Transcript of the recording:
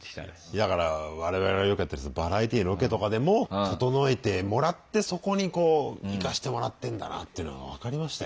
だから我々がよくやってるバラエティーのロケとかでも整えてもらってそこにこう行かしてもらってんだなっていうのが分かりましたよ。